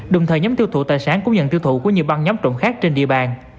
đồng thời nhóm tiêu thụ tài sản cũng nhận tiêu thụ của nhiều băng nhóm trộm khác trên địa bàn